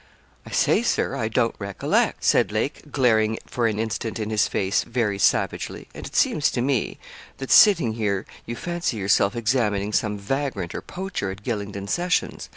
'I say, Sir, I don't recollect,' said Lake, glaring for an instant in his face very savagely. 'And it seems to me, that sitting here, you fancy yourself examining some vagrant or poacher at Gylingden sessions.